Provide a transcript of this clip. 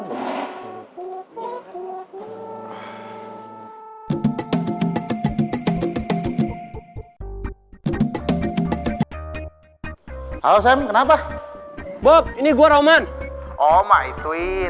ntar ngetah bau lagi